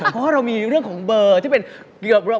เพราะว่าเรามีเรื่องของเบอร์ที่เป็นเกือบ